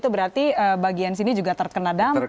berarti bagian sini juga terkena dampak